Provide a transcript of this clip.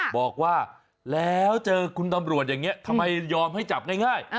บอกว่าแล้วเจอคุณตำรวจอย่างนี้ทำไมยอมให้จับง่าย